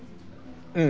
うん。